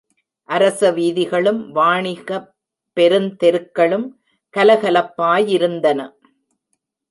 அரசவீதிகளும் வாணிகப் பெருந் தெருக்களும் கலகலப்பாயிருந்தன.